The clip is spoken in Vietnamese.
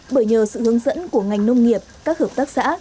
bởi nhờ sự hướng dẫn của ngành nông nghiệp các hợp tác xã